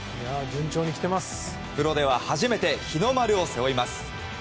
プロでは初めて日の丸を背負います。